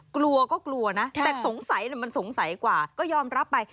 กลัวก็กลัวนะแต่สงสัยมันสงสัยกว่าก็ยอมรับไป